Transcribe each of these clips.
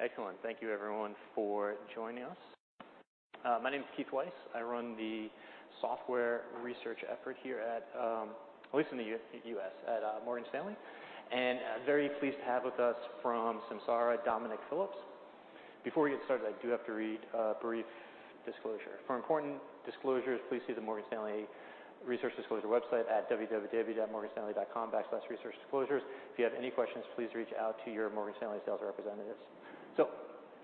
Excellent. Thank you everyone for joining us. My name is Keith Weiss. I run the software research effort here at least in the U.S., at Morgan Stanley. I'm very pleased to have with us from Samsara, Dominic Phillips. Before we get started, I do have to read a brief disclosure. For important disclosures, please see the Morgan Stanley Research Disclosure website at www.morganstanley.com/researchdisclosures. If you have any questions, please reach out to your Morgan Stanley sales representatives.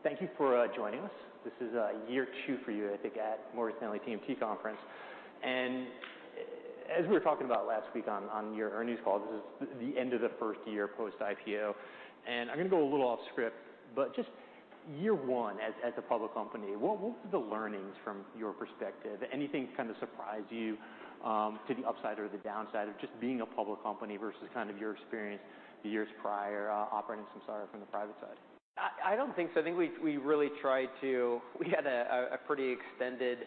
Thank you for joining us. This is year two for you, I think, at Morgan Stanley TMT Conference. As we were talking about last week on your earnings call, this is the end of the first year post-IPO. I'm gonna go a little off script, but just year one as a public company, what's the learnings from your perspective? Anything kind of surprise you, to the upside or the downside of just being a public company versus kind of your experience the years prior, operating Samsara from the private side? I don't think so. I think we really tried to. We had a pretty extended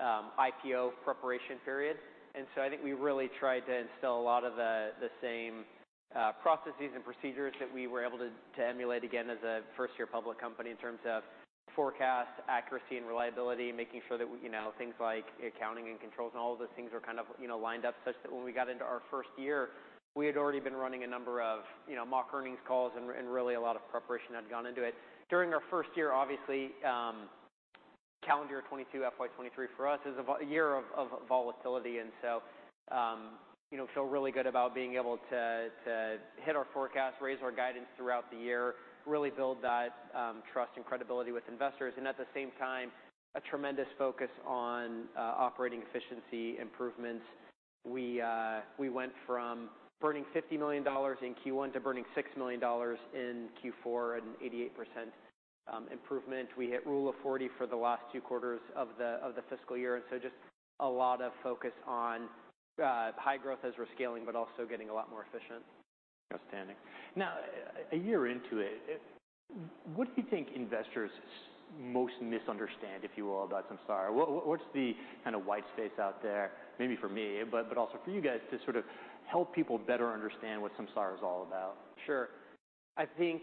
IPO preparation period. I think we really tried to instill a lot of the same processes and procedures that we were able to emulate again as a first-year public company in terms of forecast accuracy and reliability and making sure that, you know, things like accounting and controls and all of those things were kind of, you know, lined up such that when we got into our first year, we had already been running a number of, you know, mock earnings calls and really a lot of preparation had gone into it. During our first year obviously, calendar 2022, FY 2023 for us is a year of volatility. You know, feel really good about being able to hit our forecast, raise our guidance throughout the year, really build that trust and credibility with investors, at the same time, a tremendous focus on operating efficiency improvements. We went from burning $50 million in Q1 to burning $6 million in Q4, an 88% improvement. We hit Rule of 40 for the last two quarters of the fiscal year, just a lot of focus on high growth as we're scaling, but also getting a lot more efficient. Outstanding. A year into it, what do you think investors most misunderstand, if you will, about Samsara? What's the kind of white space out there maybe for me, but also for you guys to sort of help people better understand what Samsara is all about? Sure. I think,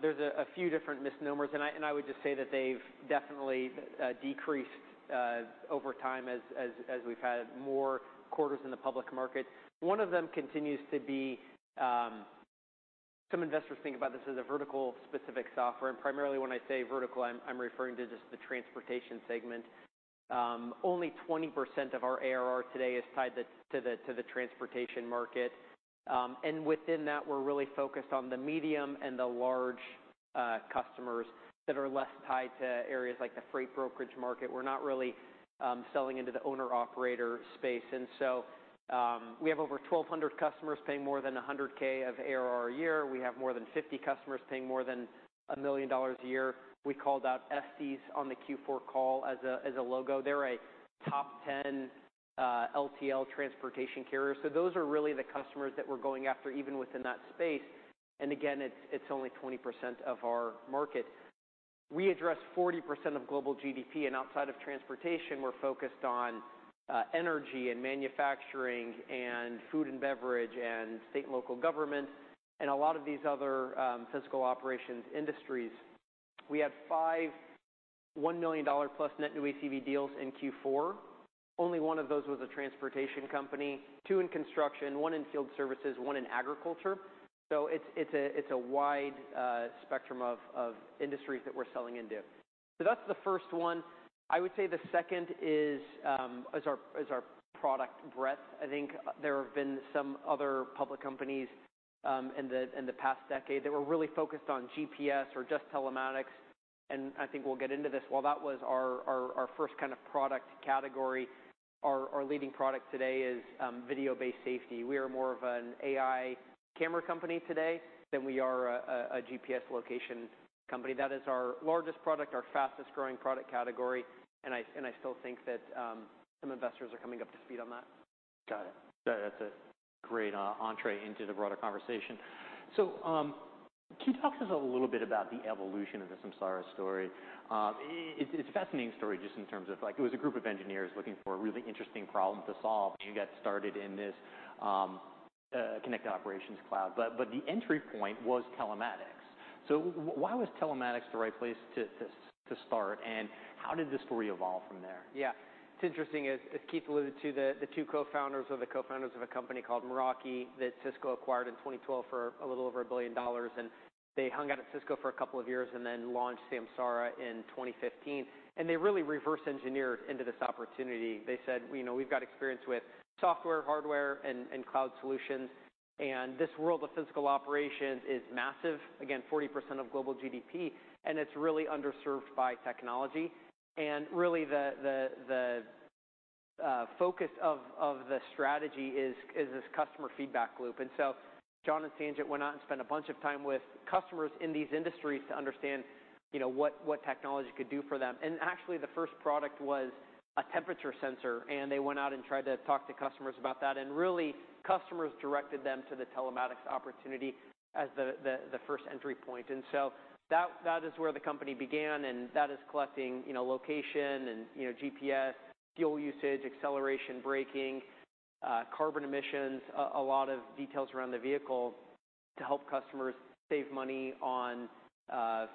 there's a few different misnomers, and I, and I would just say that they've definitely decreased over time as we've had more quarters in the public market. One of them continues to be, some investors think about this as a vertical-specific software, and primarily when I say vertical, I'm referring to just the transportation segment. Only 20% of our ARR today is tied to the transportation market. Within that, we're really focused on the medium and the large customers that are less tied to areas like the freight brokerage market. We're not really selling into the owner/operator space. We have over 1,200 customers paying more than 100K of ARR a year. We have more than 50 customers paying more than $1 million a year. We called out Estes on the Q4 call as a logo. They're a top 10 LTL transportation carrier. Those are really the customers that we're going after, even within that space. Again, it's only 20% of our market. We address 40% of global GDP, and outside of transportation, we're focused on energy and manufacturing and food and beverage and state and local government, and a lot of these other physical operations industries. We had five $1 million plus net new ACV deals in Q4. Only one of those was a transportation company, two in construction, one in field services, one in agriculture. It's a wide spectrum of industries that we're selling into. That's the first one. I would say the second is our product breadth. I think there have been some other public companies in the past decade that were really focused on GPS or just Telematics, and I think we'll get into this. While that was our first kind of product category, our leading product today is Video-Based Safety. We are more of an AI camera company today than we are a GPS location company. That is our largest product, our fastest-growing product category, and I still think that some investors are coming up to speed on that. Got it. That's a great entrée into the broader conversation. Can you talk to us a little bit about the evolution of the Samsara story? It's a fascinating story just in terms of like, it was a group of engineers looking for a really interesting problem to solve, and you got started in this Connected Operations Cloud. The entry point was Telematics. Why was Telematics the right place to start, and how did the story evolve from there? Yeah. It's interesting, as Keith alluded to, the two co-founders were the co-founders of a company called Meraki that Cisco acquired in 2012 for a little over $1 billion. They hung out at Cisco for a couple of years and then launched Samsara in 2015. They really reverse engineered into this opportunity. They said, "You know, we've got experience with software, hardware, and cloud solutions, and this world of physical operations is massive," again, 40% of global GDP, "and it's really underserved by technology." Really, the focus of the strategy is this customer feedback loop. John and Sanjit went out and spent a bunch of time with customers in these industries to understand, you know, what technology could do for them. Actually, the first product was a temperature sensor, and they went out and tried to talk to customers about that. Really, customers directed them to the telematics opportunity as the first entry point. That is where the company began, and that is collecting, you know, location and, you know, GPS, fuel usage, acceleration, braking. Carbon emissions, a lot of details around the vehicle to help customers save money on,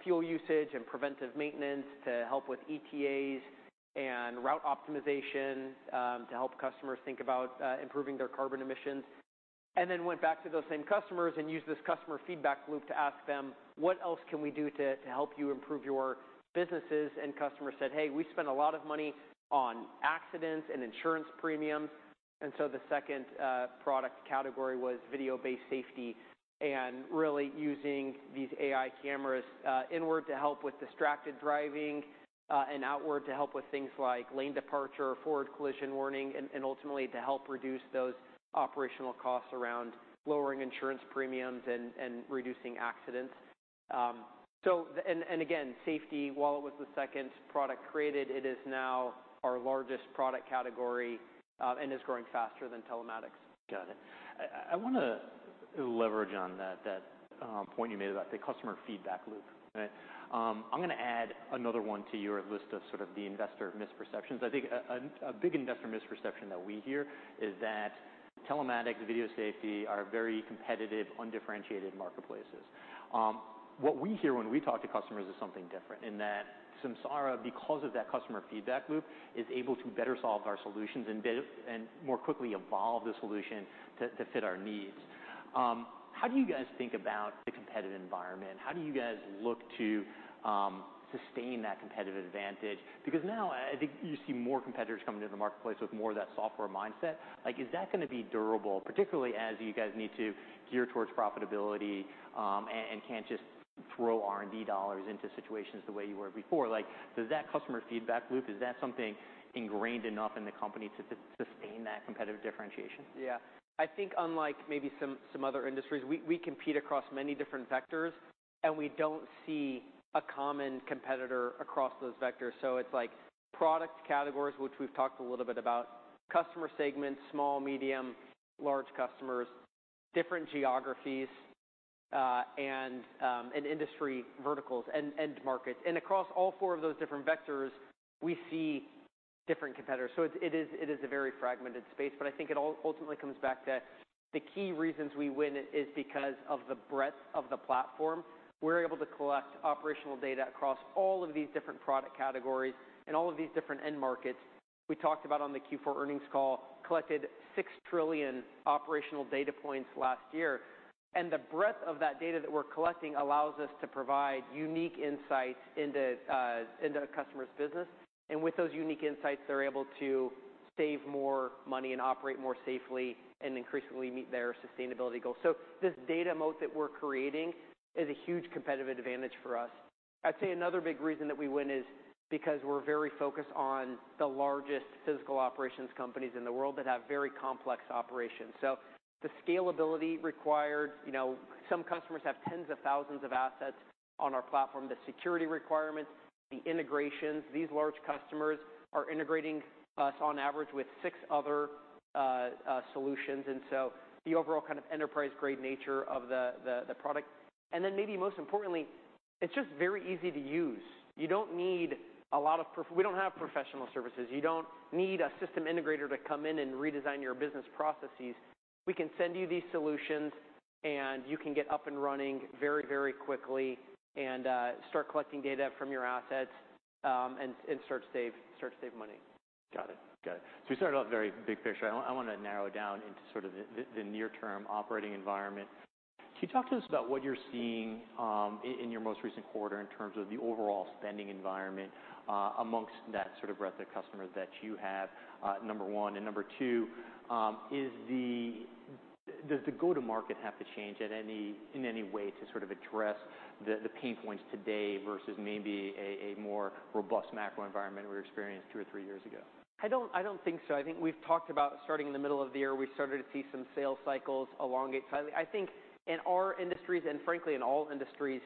fuel usage and preventive maintenance to help with ETAs and route optimization, to help customers think about, improving their carbon emissions. Then went back to those same customers and used this customer feedback loop to ask them, "What else can we do to help you improve your businesses?" Customers said, "Hey, we spend a lot of money on accidents and insurance premiums." So the second product category was Video-Based Safety and really using these AI cameras, inward to help with distracted driving, and outward to help with things like lane departure, forward collision warning ultimately to help reduce those operational costs around lowering insurance premiums and reducing accidents. Again, safety, while it was the second product created, it is now our largest product category, and is growing faster than Telematics. Got it. I wanna leverage on that point you made about the customer feedback loop. I'm gonna add another one to your list of sort of the investor misperceptions. I think a, a big investor misperception that we hear is that Telematics, video safety are very competitive, undifferentiated marketplaces. What we hear when we talk to customers is something different in that Samsara, because of that customer feedback loop, is able to better solve our solutions and more quickly evolve the solution to fit our needs. How do you guys think about the competitive environment? How do you guys look to sustain that competitive advantage? Now I think you see more competitors coming into the marketplace with more of that software mindset. Like, is that gonna be durable, particularly as you guys need to gear towards profitability, and can't just throw R&D dollars into situations the way you were before? Like, does that customer feedback loop, is that something ingrained enough in the company to sustain that competitive differentiation? Yeah. I think unlike maybe some other industries, we compete across many different vectors, and we don't see a common competitor across those vectors. It's like product categories, which we've talked a little bit about, customer segments, small, medium, large customers, different geographies, and industry verticals and end markets. Across all four of those different vectors, we see different competitors. It is a very fragmented space, but I think it all ultimately comes back to the key reasons we win it is because of the breadth of the platform. We're able to collect operational data across all of these different product categories and all of these different end markets. We talked about on the Q4 earnings call, collected 6 trillion operational data points last year. The breadth of that data that we're collecting allows us to provide unique insights into a customer's business. With those unique insights, they're able to save more money and operate more safely and increasingly meet their sustainability goals. This data moat that we're creating is a huge competitive advantage for us. I'd say another big reason that we win is because we're very focused on the largest physical operations companies in the world that have very complex operations. The scalability required, you know, some customers have tens of thousands of assets on our platform, the security requirements, the integrations. These large customers are integrating us on average with six other solutions, and so the overall kind of enterprise-grade nature of the product. Then maybe most importantly, it's just very easy to use. We don't have professional services. You don't need a system integrator to come in and redesign your business processes. We can send you these solutions, and you can get up and running very, very quickly and start collecting data from your assets and start to save money. Got it. Got it. We started off very big picture. I wanna narrow down into sort of the, the near term operating environment. Can you talk to us about what you're seeing in your most recent quarter in terms of the overall spending environment amongst that sort of breadth of customers that you have, number one? Number two, Does the go-to-market have to change in any way to sort of address the pain points today versus maybe a more robust macro environment we experienced two or three years ago? I don't think so. I think we've talked about starting in the middle of the year, we started to see some sales cycles elongate slightly. I think in our industries and frankly, in all industries,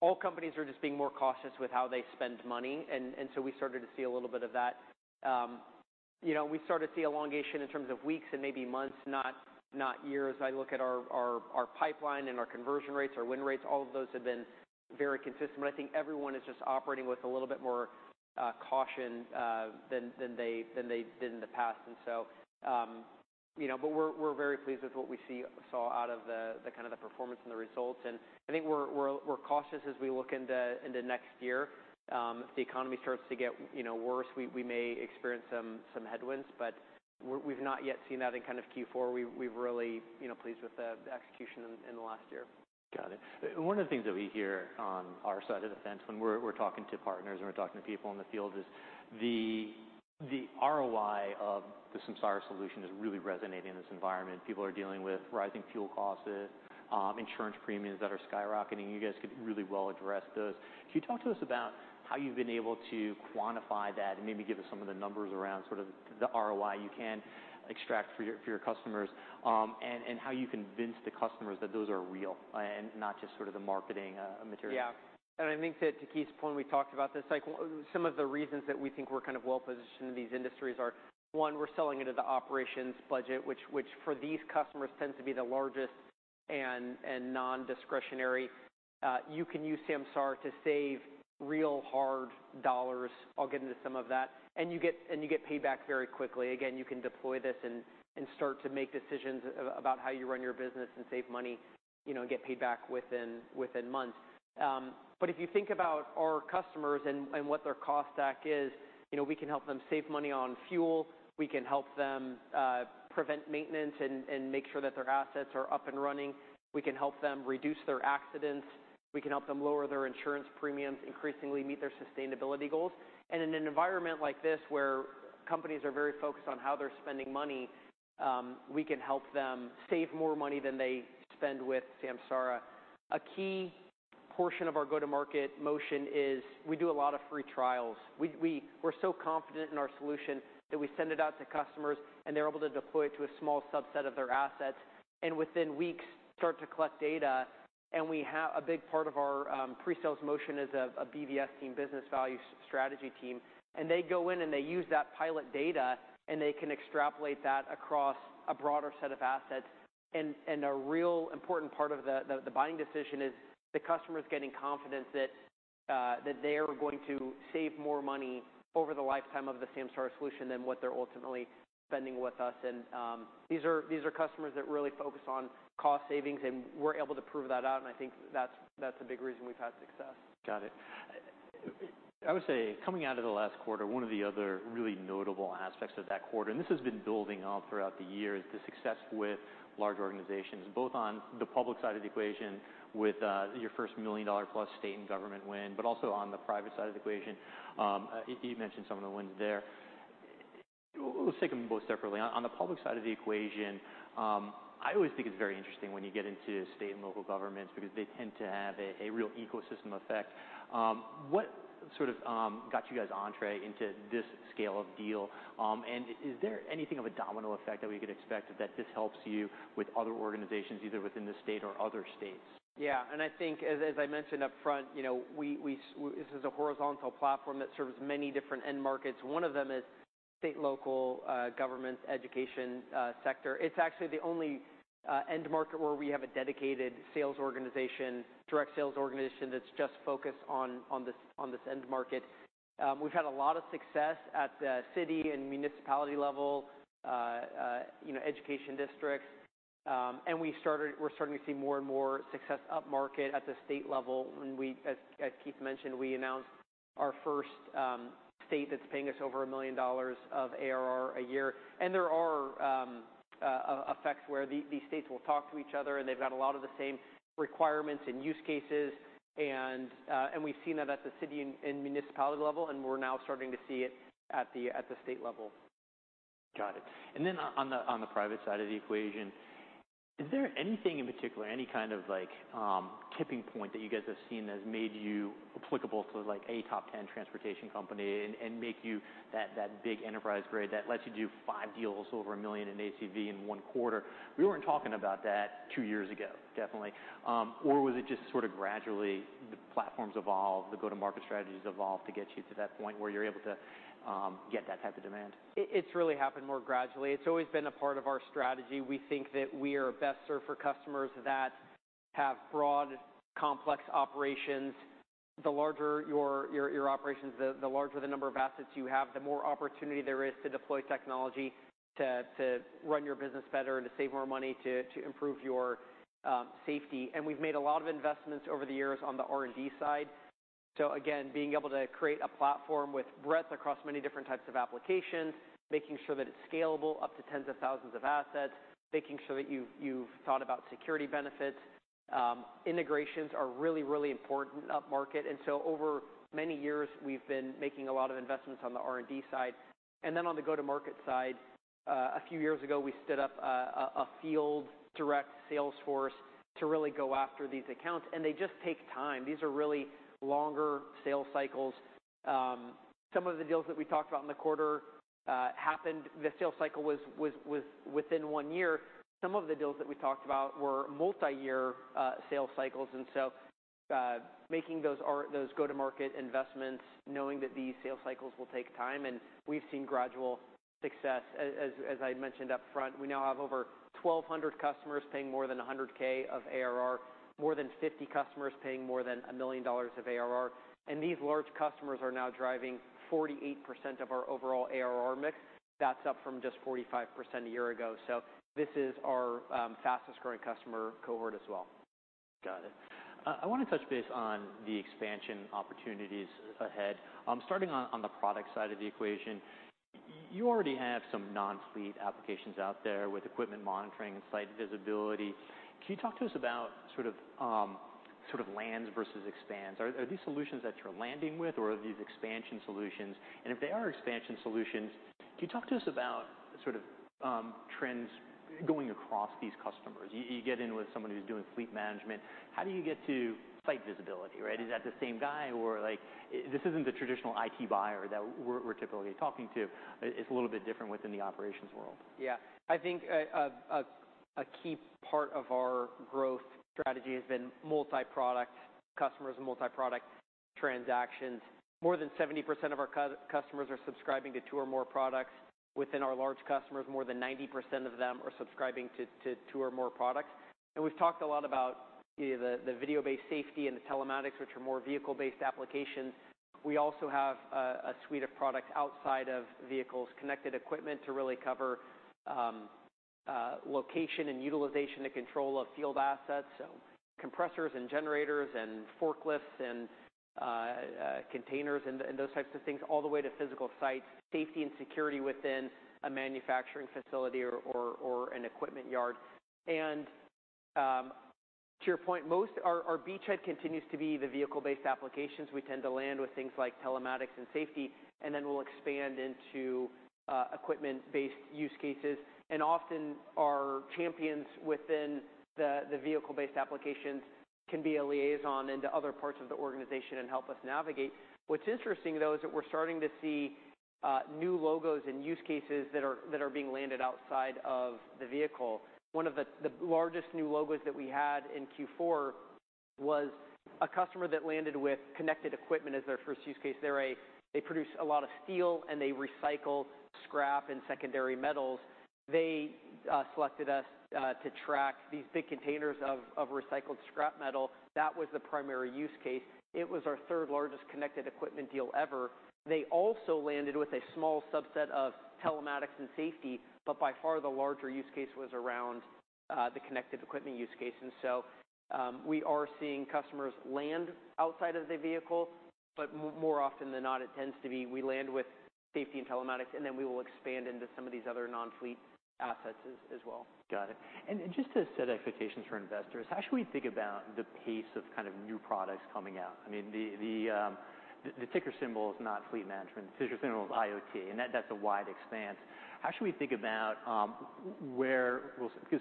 all companies are just being more cautious with how they spend money and so we started to see a little bit of that. you know, we started to see elongation in terms of weeks and maybe months, not years. I look at our pipeline and our conversion rates, our win rates, all of those have been very consistent, but I think everyone is just operating with a little bit more caution than they did in the past. you know, but we're very pleased with what we saw out of the kind of the performance and the results. I think we're cautious as we look into next year. If the economy starts to get, you know, worse, we may experience some headwinds, but we've not yet seen that in kind of Q4. We've really, you know, pleased with the execution in the last year. Got it. One of the things that we hear on our side of the fence when we're talking to partners and we're talking to people in the field is the ROI of the Samsara solution is really resonating in this environment. People are dealing with rising fuel costs, insurance premiums that are skyrocketing. You guys could really well address those. Can you talk to us about how you've been able to quantify that and maybe give us some of the numbers around sort of the ROI you can extract for your customers, and how you convince the customers that those are real and not just sort of the marketing material? Yeah. I think to Keith's point, we talked about this, like some of the reasons that we think we're kind of well-positioned in these industries are, one, we're selling into the operations budget, which for these customers tends to be the largest and non-discretionary. You can use Samsara to save real hard dollars. I'll get into some of that. You get payback very quickly. Again, you can deploy this and start to make decisions about how you run your business and save money, you know, and get paid back within months. If you think about our customers and what their cost stack is, you know, we can help them save money on fuel. We can help them prevent maintenance and make sure that their assets are up and running. We can help them reduce their accidents. We can help them lower their insurance premiums, increasingly meet their sustainability goals. In an environment like this where companies are very focused on how they're spending money, we can help them save more money than they spend with Samsara. A key portion of our go-to-market motion is we do a lot of free trials. We're so confident in our solution that we send it out to customers, and they're able to deploy it to a small subset of their assets. Within weeks, start to collect data, A big part of our pre-sales motion is a BVS team, Business Value Strategy team, and they go in and they use that pilot data, and they can extrapolate that across a broader set of assets. A real important part of the buying decision is the customer's getting confidence that they are going to save more money over the lifetime of the Samsara solution than what they're ultimately spending with us. These are customers that really focus on cost savings, and we're able to prove that out, and I think that's a big reason we've had success. Got it. I would say coming out of the last quarter, one of the other really notable aspects of that quarter, and this has been building up throughout the year, is the success with large organizations, both on the public side of the equation with your first $1 million-plus state and government win, but also on the private side of the equation. You mentioned some of the wins there. Let's take them both separately. On the public side of the equation, I always think it's very interesting when you get into state and local governments because they tend to have a real ecosystem effect. What sort of got you guys entree into this scale of deal? Is there anything of a domino effect that we could expect that this helps you with other organizations, either within the state or other states? Yeah. I think as I mentioned up front, you know, we, this is a horizontal platform that serves many different end markets. One of them is state and local government, education sector. It's actually the only end market where we have a dedicated sales organization, direct sales organization that's just focused on this, on this end market. We've had a lot of success at the city and municipality level, you know, education districts. We're starting to see more and more success up market at the state level when we, as Keith mentioned, we announced our first state that's paying us over $1 million of ARR a year. There are effects where these states will talk to each other, and they've got a lot of the same requirements and use cases and we've seen that at the city and municipality level, and we're now starting to see it at the state level. Got it. On the, on the private side of the equation, is there anything in particular, any kind of like, tipping point that you guys have seen that has made you applicable to, like, a top 10 transportation company and make you that big enterprise grade that lets you do five deals over $1 million in ACV in one quarter? We weren't talking about that two years ago, definitely. Was it just sort of gradually the platforms evolved, the go-to-market strategies evolved to get you to that point where you're able to get that type of demand? It's really happened more gradually. It's always been a part of our strategy. We think that we are best served for customers that have broad, complex operations. The larger your operations, the larger the number of assets you have, the more opportunity there is to deploy technology to run your business better, to save more money, to improve your safety. We've made a lot of investments over the years on the R&D side. Again, being able to create a platform with breadth across many different types of applications, making sure that it's scalable up to tens of thousands of assets, making sure that you've thought about security benefits. Integrations are really, really important up market. Over many years, we've been making a lot of investments on the R&D side. On the go-to-market side, a few years ago, we stood up a field direct sales force to really go after these accounts, and they just take time. These are really longer sales cycles. Some of the deals that we talked about in the quarter, the sales cycle was within one year. Some of the deals that we talked about were multi-year sales cycles. Making those go-to-market investments, knowing that these sales cycles will take time, and we've seen gradual success. As I mentioned up front, we now have over 1,200 customers paying more than $100K of ARR, more than 50 customers paying more than $1 million of ARR. These large customers are now driving 48% of our overall ARR mix. That's up from just 45% a year ago. This is our, fastest-growing customer cohort as well. Got it. I wanna touch base on the expansion opportunities ahead. Starting on the product side of the equation, you already have some non-fleet applications out there with Equipment Monitoring and Site Visibility. Can you talk to us about sort of, sort of lands versus expands? Are these solutions that you're landing with or are these expansion solutions? If they are expansion solutions, can you talk to us about sort of, trends going across these customers? You, you get in with someone who's doing fleet management, how do you get to Site Visibility, right? Is that the same guy or like, this isn't the traditional IT buyer that we're typically talking to. It's a little bit different within the operations world. Yeah. I think a key part of our growth strategy has been multi-product customers and multi-product-Transactions. More than 70% of our customers are subscribing to two or more products. Within our large customers, more than 90% of them are subscribing to two or more products. We've talked a lot about the Video-Based Safety and the Telematics, which are more vehicle-based applications. We also have a suite of products outside of vehicles, Connected Equipment to really cover location and utilization and control of field assets, so compressors and generators and forklifts and containers and those types of things, all the way to physical site safety and security within a manufacturing facility or an equipment yard. To your point, Our beachhead continues to be the vehicle-based applications. We tend to land with things like Telematics and safety, and then we'll expand into equipment-based use cases. Often our champions within the vehicle-based applications can be a liaison into other parts of the organization and help us navigate. What's interesting, though, is that we're starting to see new logos and use cases that are being landed outside of the vehicle. One of the largest new logos that we had in Q4 was a customer that landed with Connected Equipment as their first use case. They produce a lot of steel, and they recycle scrap and secondary metals. They selected us to track these big containers of recycled scrap metal. That was the primary use case. It was our third largest Connected Equipment deal ever. They also landed with a small subset of Telematics and safety. By far the larger use case was around the Connected Equipment use case. We are seeing customers land outside of the vehicle, but more often than not, it tends to be we land with safety and Telematics, and then we will expand into some of these other non-fleet assets as well. Got it. Just to set expectations for investors, how should we think about the pace of kind of new products coming out? I mean, the ticker symbol is not fleet management. The ticker symbol is IoT, that's a wide expanse. How should we think about where, 'cause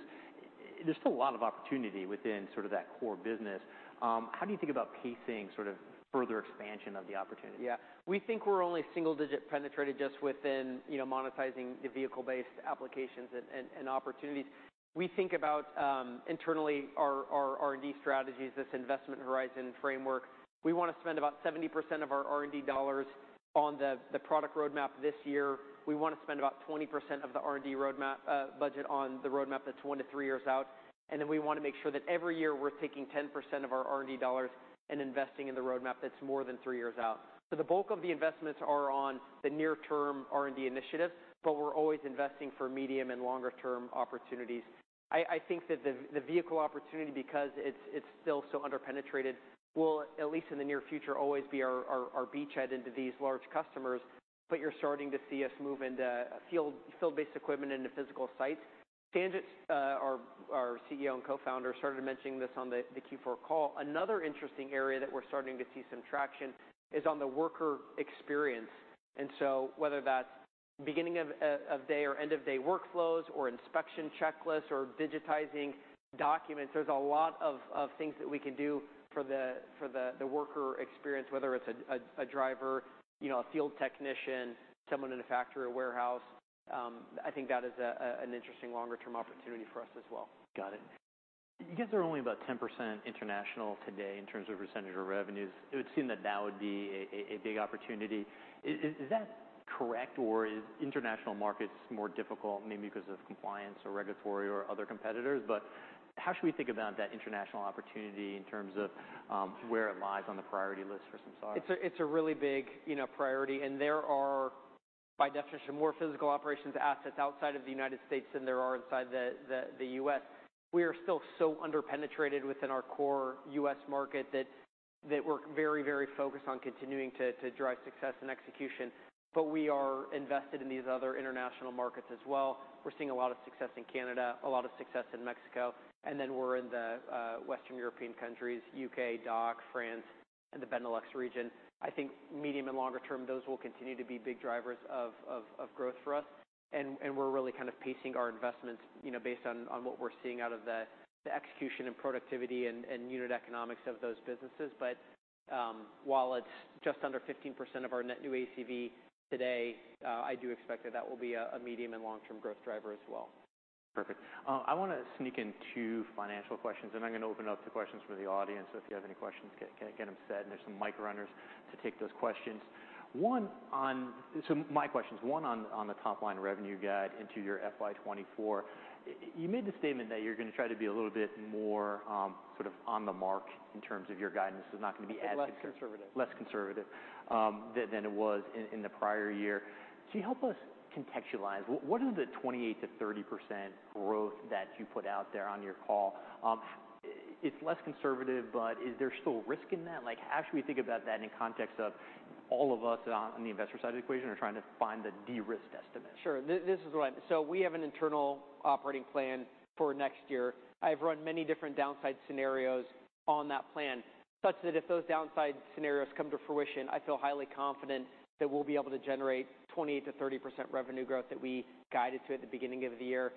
there's still a lot of opportunity within sort of that core business. How do you think about pacing sort of further expansion of the opportunity? Yeah. We think we're only single-digit penetrated just within, you know, monetizing the vehicle-based applications and opportunities. We think about internally our R&D strategies, this investment horizon framework. We wanna spend about 70% of our R&D dollars on the product roadmap this year. We wanna spend about 20% of the R&D roadmap budget on the roadmap that's one to three years out. We wanna make sure that every year we're taking 10% of our R&D dollars and investing in the roadmap that's more than three years out. The bulk of the investments are on the near-term R&D initiatives, we're always investing for medium and longer-term opportunities. I think that the vehicle opportunity, because it's still so under-penetrated, will, at least in the near future, always be our beachhead into these large customers. But you're starting to see us move into field-based equipment into physical sites. Sanjit, our CEO and Co-founder, started mentioning this on the Q4 call. Another interesting area that we're starting to see some traction is on the worker experience. Whether that's beginning of a day or end of day workflows or inspection checklists or digitizing documents, there's a lot of things that we can do for the worker experience, whether it's a driver, you know, a field technician, someone in a factory or warehouse. I think that is an interesting longer term opportunity for us as well. Got it. You guys are only about 10% international today in terms of percentage of revenues. It would seem that that would be a big opportunity. Is that correct, or is international markets more difficult maybe because of compliance or regulatory or other competitors? How should we think about that international opportunity in terms of, where it lies on the priority list for Samsara? It's a, it's a really big, you know, priority, and there are, by definition, more physical operations assets outside of the United States than there are inside the U.S.. We are still so under-penetrated within our core U.S. market that we're very, very focused on continuing to drive success and execution. We are invested in these other international markets as well. We're seeing a lot of success in Canada, a lot of success in Mexico, and then we're in the Western European countries, U.K., DACH, France, and the Benelux region. I think medium and longer term, those will continue to be big drivers of growth for us. We're really kind of pacing our investments, you know, based on what we're seeing out of the execution and productivity and unit economics of those businesses. While it's just under 15% of our net new ACV today, I do expect that that will be a medium and long-term growth driver as well. Perfect. I wanna sneak in financial financial questions. I'm gonna open up to questions from the audience, so if you have any questions, get them said, and there's some mic runners to take those questions. My questions, one on the top line revenue guide into your FY 2024. You made the statement that you're gonna try to be a little bit more, sort of on the mark in terms of your guidance. Not gonna be as. A bit less conservative. Less conservative, than it was in the prior year. Help us contextualize, what is the 28%-30% growth that you put out there on your call? It's less conservative, but is there still risk in that? How should we think about that in context of all of us on the investor side of the equation are trying to find the de-risked estimate? Sure. This is what we have an internal operating plan for next year. I've run many different downside scenarios on that plan, such that if those downside scenarios come to fruition, I feel highly confident that we'll be able to generate 28%-30% revenue growth that we guided to at the beginning of the year.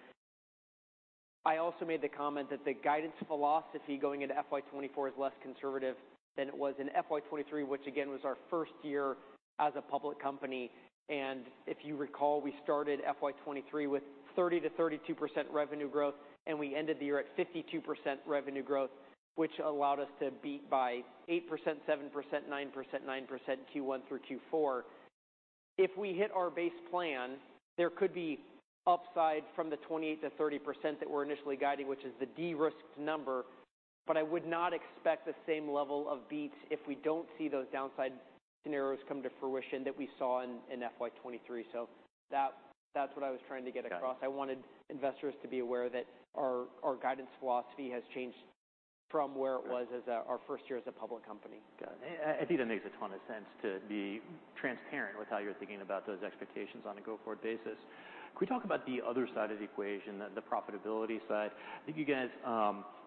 I also made the comment that the guidance philosophy going into FY 2024 is less conservative than it was in FY 2023, which again, was our first year as a public company. If you recall, we started FY 2023 with 30%-32% revenue growth, and we ended the year at 52% revenue growth, which allowed us to beat by 8%, 7%, 9%, 9% Q1 through Q4. If we hit our base plan, there could be upside from the 28%-30% that we're initially guiding, which is the de-risked number. I would not expect the same level of beats if we don't see those downside scenarios come to fruition that we saw in FY 2023. That's what I was trying to get across. Got it. I wanted investors to be aware that our guidance philosophy has changed from where it was as our first year as a public company. Got it. I think that makes a ton of sense to be transparent with how you're thinking about those expectations on a go-forward basis. Can we talk about the other side of the equation, the profitability side? I think you guys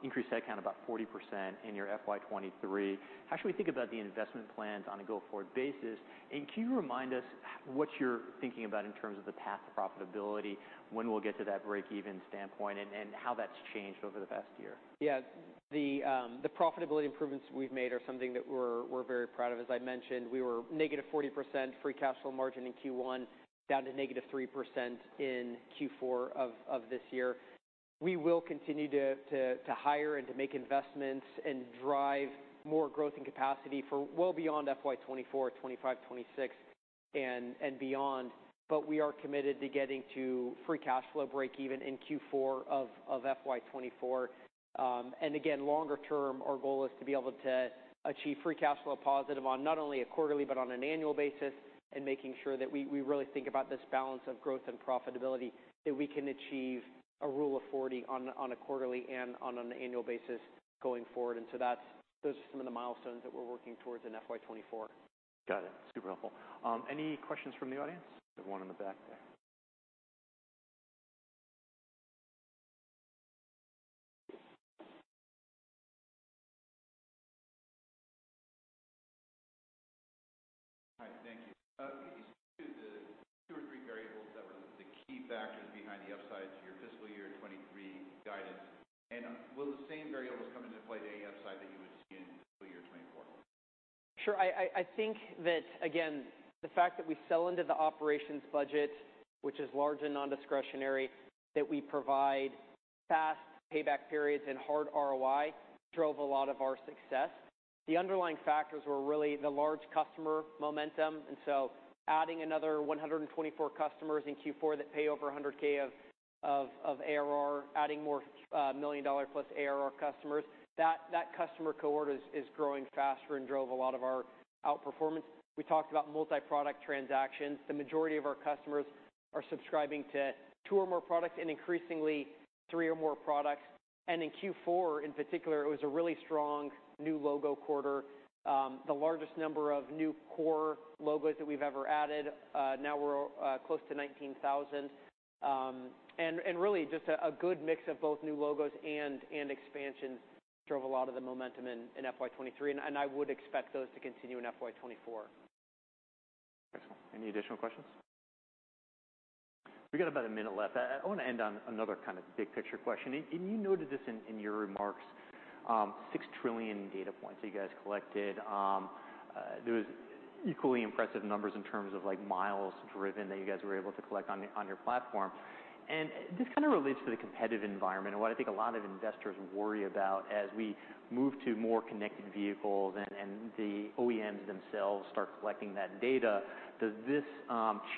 increased that count about 40% in your FY 2023. How should we think about the investment plans on a go-forward basis? Can you remind us what you're thinking about in terms of the path to profitability, when we'll get to that break-even standpoint, and how that's changed over the past year? Yeah. The profitability improvements we've made are something that we're very proud of. As I mentioned, we were negative 40% free cash flow margin in Q1, down to negative 3% in Q4 of this year. We will continue to hire and to make investments and drive more growth and capacity for well beyond FY 2024, FY 2025, FY 2026 and beyond. We are committed to getting to free cash flow break even in Q4 of FY 2024. Again, longer term, our goal is to be able to achieve free cash flow positive on not only a quarterly, but on an annual basis, and making sure that we really think about this balance of growth and profitability, that we can achieve a Rule of 40 on a quarterly and on an annual basis going forward. Those are some of the milestones that we're working towards in FY 2024. Got it. Super helpful. Any questions from the audience? There's one in the back there. Hi, thank you. You spoke to the two or three variables that were the key factors behind the upside to your fiscal year 2023 guidance. Will the same variables come into play the upside that you would see in fiscal year 2024? Sure. I think that again, the fact that we sell into the operations budget, which is large and non-discretionary, that we provide fast payback periods and hard ROI drove a lot of our success. The underlying factors were really the large customer momentum, adding another 124 customers in Q4 that pay over $100K of ARR, adding more $1 million-plus ARR customers, that customer cohort is growing faster and drove a lot of our outperformance. We talked about multi-product transactions. The majority of our customers are subscribing to two or more products and increasingly three or more products. In Q4, in particular, it was a really strong new logo quarter. The largest number of new core logos that we've ever added. Now we're close to 19,000. Really just a good mix of both new logos and expansions drove a lot of the momentum in FY 2023, and I would expect those to continue in FY 2024. Excellent. Any additional questions? We got about a minute left. I wanna end on another kind of big picture question. You noted this in your remarks, 6 trillion data points that you guys collected. There was equally impressive numbers in terms of like miles driven that you guys were able to collect on your platform. This kind of relates to the competitive environment and what I think a lot of investors worry about as we move to more connected vehicles and the OEMs themselves start collecting that data. Does this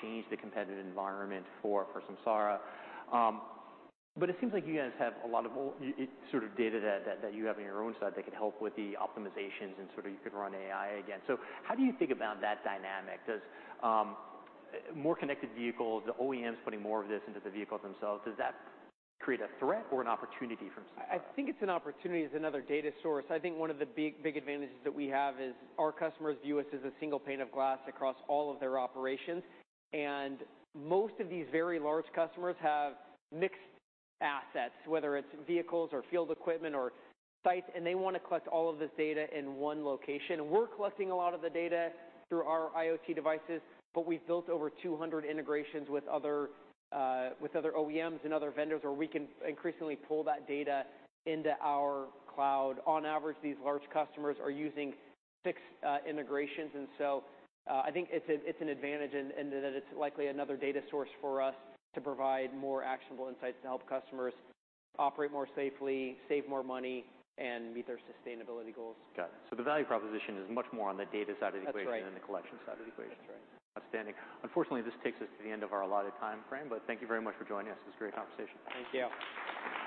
change the competitive environment for Samsara? It seems like you guys have a lot of sort of data that you have on your own side that can help with the optimizations and sort of you could run AI again. How do you think about that dynamic? Does more connected vehicles, the OEMs putting more of this into the vehicles themselves, does that create a threat or an opportunity from Samsara? I think it's an opportunity as another data source. I think one of the big advantages that we have is our customers view us as a single pane of glass across all of their operations. Most of these very large customers have mixed assets, whether it's vehicles or field equipment or sites, and they wanna collect all of this data in one location. We're collecting a lot of the data through our IoT devices, but we've built over 200 integrations with other, with other OEMs and other vendors where we can increasingly pull that data into our cloud. On average, these large customers are using six integrations. I think it's an advantage in that it's likely another data source for us to provide more actionable insights to help customers operate more safely, save more money, and meet their sustainability goals. Got it. The value proposition is much more on the data side of the equation. That's right. Than the collection side of the equation. That's right. Outstanding. Unfortunately, this takes us to the end of our allotted timeframe, but thank you very much for joining us. It was a great conversation. Thank you.